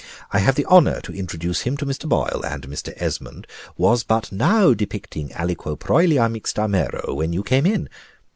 I have the honor to introduce him to Mr. Boyle; and Mr. Esmond was but now depicting aliquo proelia mixta mero, when you came in."